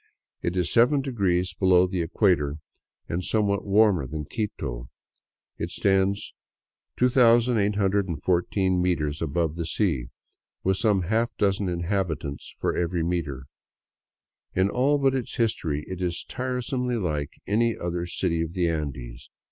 It is seven degrees below the equator and somewhat warmer than Quito. It stands 2814 meters above the sea, with some half dozen inhabitants for every meter. In all but its history it is tiresomely like any other city of the Andes.